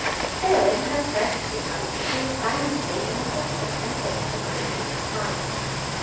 Still, in her first few months she was bound to be important and take up a great deal of time.